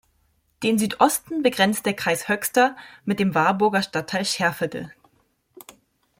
Den Südosten begrenzt der Kreis Höxter mit dem Warburger Stadtteil Scherfede.